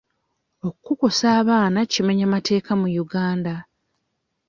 Okukukusa abaana kimenya mateeka mu Uganda.